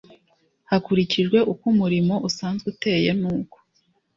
hakurikijwe uko umurimo usanzwe uteye n uko